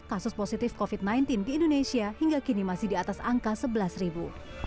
kasus positif covid sembilan belas di indonesia hingga kini masih di atas angka sebelas ribu